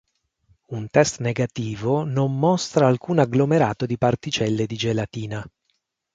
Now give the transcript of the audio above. Un test negativo non mostra alcun agglomerato di particelle di gelatina.